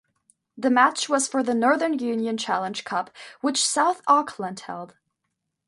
The match was for the Northern Union Challenge Cup which South Auckland held.